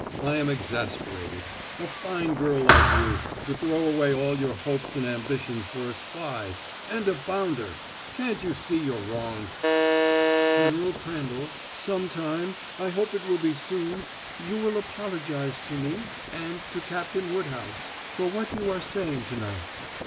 "I am exasperated. A fine girl like you to throw away all your hopes and ambitions for a spy and a bounder! Can't you see you're wrong?" "General Crandall, some time I hope it will be soon you will apologize to me and to Captain Woodhouse for what you are saying to night."